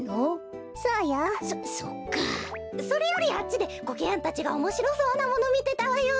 それよりあっちでコケヤンたちがおもしろそうなものみてたわよ。